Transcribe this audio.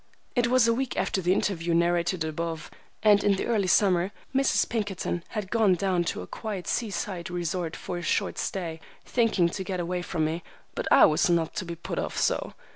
It was a week after the interview narrated above, and in the early summer, Mrs. Pinkerton had gone down to a quiet sea side resort for a short stay, thinking to get away from me; but I was not to be put off so.